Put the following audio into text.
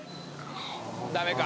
ダメか。